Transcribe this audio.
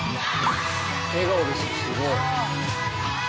笑顔ですよすごい。